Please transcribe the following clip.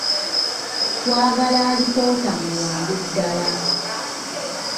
Twagala alipoota mu bwangu ddala.